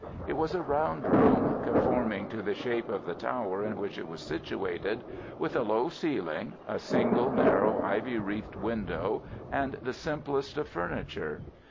It was a round room, conforming to the shape of the tower in which it was situated, with a low ceiling, a single narrow, ivy wreathed window, and the simplest of furniture.